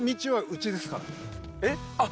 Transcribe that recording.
えっ！